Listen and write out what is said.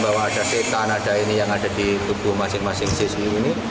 bahwa ada setan ada ini yang ada di tubuh masing masing siswi ini